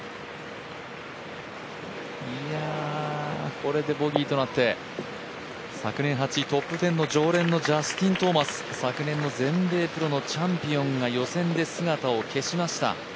これでボギーとなって昨年８位、トップ１０常連のジャスティン・トーマス、昨年の全米プロのチャンピオンが予選で姿を消しました。